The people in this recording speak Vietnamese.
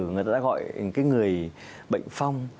người ta đã gọi cái người bệnh phong